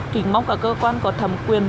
thỉnh mong cả cơ quan có thẩm quyền